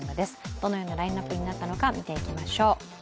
どのようなラインナップになったのか見ていきましょう。